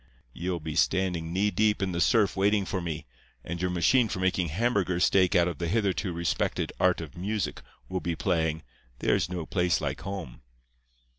Ye'll be standing knee deep in the surf waiting for me, and your machine for making Hamburger steak out of the hitherto respected art of music will be playing "There's no place like home."